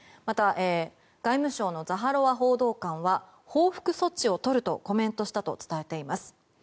また、外務省のザハロワ報道官は報復措置を取るとコメントしたと伝えています。